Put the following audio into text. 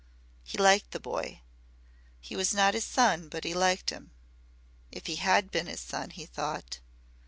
He liked the boy. He was not his son, but he liked him. If he had been his son, he thought